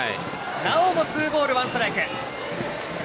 なおもツーボール、ワンストライク。